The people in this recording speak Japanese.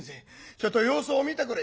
ちょっと様子を見てくる」。